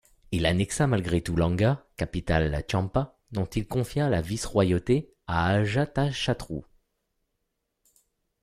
Il annexa malgré tout l'Anga, capitale Champa, dont il confia la vice-royauté à Ajatashatru.